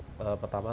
itu satu yang pertama